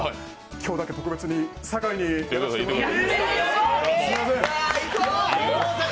今日だけ特別に酒井にやらせてください。